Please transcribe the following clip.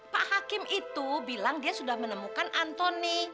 pak hakim itu bilang dia sudah menemukan antoni